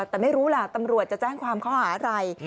แต่ไม่รู้ล่ะตำรวจจะแจ้งความข้อหาอะไร